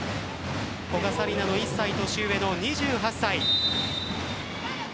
古賀紗理那の１歳年上の２８歳。